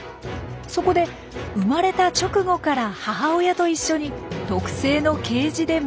そこで生まれた直後から母親と一緒に特製のケージで守ろうというんです。